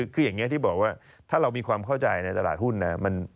คืออย่างนี้ที่บอกว่าถ้าเรามีความเข้าใจในตลาดหุ้นนะ